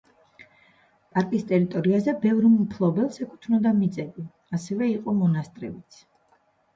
პარკის ტერიტორიაზე ბევრ მფლობელს ეკუთვნოდა მიწები, ასევე იყო მონასტრებიც.